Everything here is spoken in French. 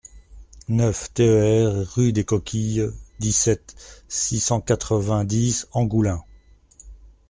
neuf TER rue des Coquilles, dix-sept, six cent quatre-vingt-dix, Angoulins